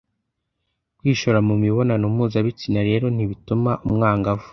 Kwishora mu mibonano mpuzabitsina rero ntibituma umwangavu